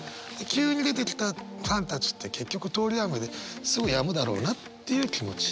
急に出てきたファンたちって結局とおり雨ですぐやむだろうなっていう気持ち。